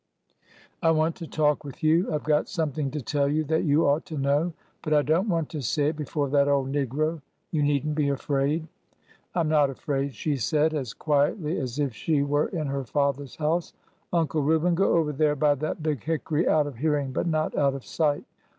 I want to talk with you. I 've got something to tell you that you ought to know. But I don't want to say it before that old negro. You need n't be afraid." " I am not afraid," she said, as quietly as if she were in her father's house. " Uncle Reuben, go over there by that big hickory, out of hearing but not out of sight.